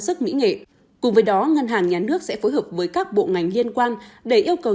sức mỹ nghệ cùng với đó ngân hàng nhà nước sẽ phối hợp với các bộ ngành liên quan để yêu cầu